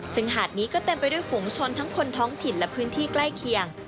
ซึ่งหาดนี้ก็เต็มไปด้วยฝูงชนทั้งคนท้องถิ่นและพื้นที่ใกล้เคียง